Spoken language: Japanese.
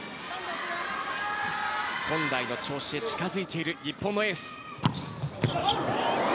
本来の調子へ近づいている日本のエース。